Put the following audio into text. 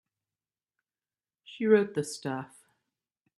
She wrote the stuff.